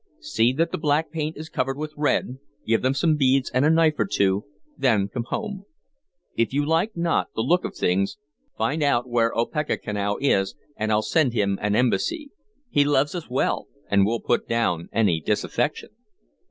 See that the black paint is covered with red, give them some beads and a knife or two, then come home. If you like not the look of things, find out where Opechancanough is, and I'll send him an embassy. He loves us well, and will put down any disaffection."